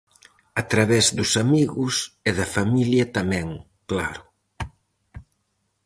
A través dos amigos e da familia tamén, claro.